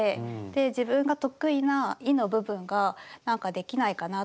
自分が得意な衣の部分がなんかできないかなとか。